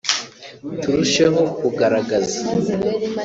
“Turusheho kugaragaza